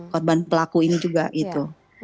korban pelaku ini juga gitu